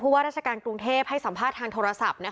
ว่าราชการกรุงเทพให้สัมภาษณ์ทางโทรศัพท์